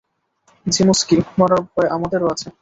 যিমস্কি, মরার ভয় আমাদেরও আছে!